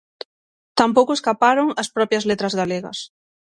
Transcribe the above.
Tampouco escaparon as propias Letras Galegas.